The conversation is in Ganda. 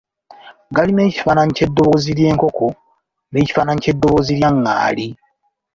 Galina ekifaananyi ky'eddoboozi ly'enkoko n'ekifaananyi ky'eddoboozi lya ngaali.